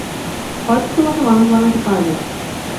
হয়তো তোমাকে মানুষ বানাতে পারব।